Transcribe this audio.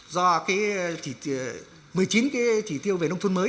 do một mươi chín cái chỉ tiêu về nông thôn mới